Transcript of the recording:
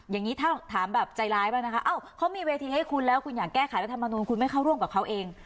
อย่างนี้ถ้าถามแบบใจร้ายบ้างนะคะเอ้าเขามีเวทีให้คุณแล้วคุณอยากแก้ไขรัฐมนุนคุณไม่เข้าร่วมกับเขาเอง